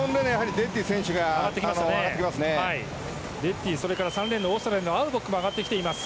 デッティ、３レーンオーストラリアのアウボックも上がってきています。